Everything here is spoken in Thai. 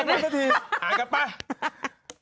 อ่านกันไป